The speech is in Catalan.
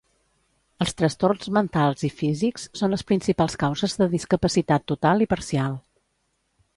Els trastorns mentals i físics són les principals causes de discapacitat total i parcial.